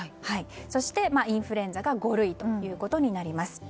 そして、インフルエンザが五類ということになります。